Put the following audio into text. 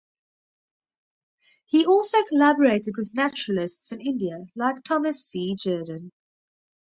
He also collaborated with naturalists in India like Thomas C. Jerdon.